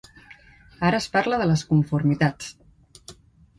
Ara es parla de les conformitats.